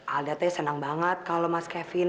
aldate senang banget kalau mas kevin